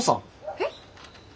えっ！？